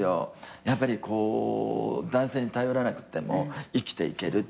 やっぱり男性に頼らなくても生きていけるっていうね。